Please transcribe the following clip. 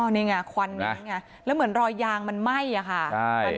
นี่ไงควันนั้นไงแล้วเหมือนรอยยางมันไหม้อะค่ะ